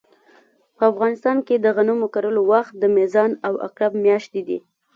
په افغانستان کې د غنمو کرلو وخت د میزان او عقرب مياشتې دي